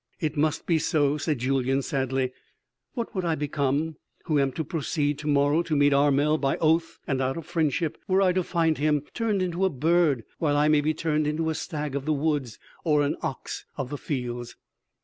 "It must be so," said Julyan sadly. "What would I become who am to proceed to morrow to meet Armel by oath and out of friendship, were I to find him turned into a bird while I may be turned into a stag of the woods or an ox of the fields?"